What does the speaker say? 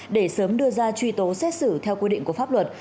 để sớm đưa ra truy tố xét xử theo quy định của pháp luật